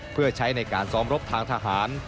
เพื่อใช้ในการซ้อมรบทางทหาร